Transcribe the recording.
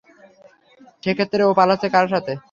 সে ক্ষেত্রে, ও পালাচ্ছে কার সাথে?